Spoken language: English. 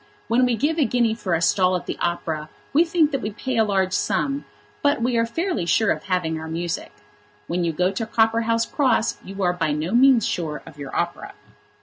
When we give a guinea for a stall at the opera we think that we pay a large sum; but we are fairly sure of having our music. When you go to Copperhouse Cross you are by no means sure of your opera.